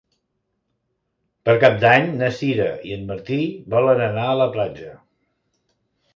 Per Cap d'Any na Sira i en Martí volen anar a la platja.